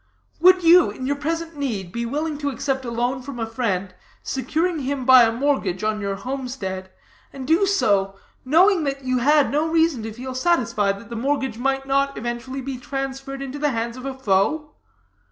Would you, in your present need, be willing to accept a loan from a friend, securing him by a mortgage on your homestead, and do so, knowing that you had no reason to feel satisfied that the mortgage might not eventually be transferred into the hands of a foe?